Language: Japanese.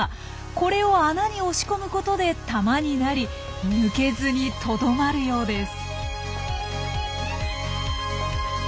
これを穴に押し込むことで玉になり抜けずにとどまるようです。